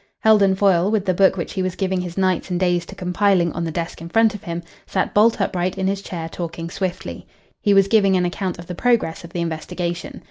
Heldon Foyle, with the book which he was giving his nights and days to compiling on the desk in front of him, sat bolt upright in his chair talking swiftly. He was giving an account of the progress of the investigation.